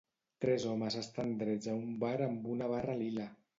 Tres homes estan drets a un bar amb una barra lila.